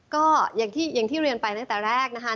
ก็อย่างที่เรียนไปตั้งแต่แรกนะคะ